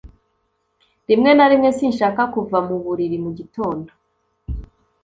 Rimwe na rimwe sinshaka kuva mu buriri mugitondo